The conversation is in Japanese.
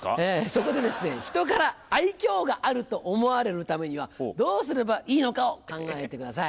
そこでですね人から愛嬌があると思われるためにはどうすればいいのかを考えてください。